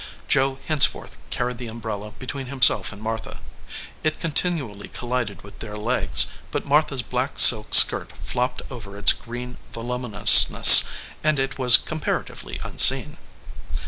Joe henceforth carried the umbrella between himself and Martha. It continually collided with their legs, but Martha s black silk skirt flopped over its green voluminousness and it was comparatively unseen.